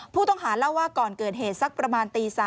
ผู้ต้องหาเล่าว่าก่อนเกิดเหตุสักประมาณตี๓